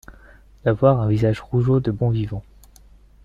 D’avoir un visage rougeaud de bon vivant.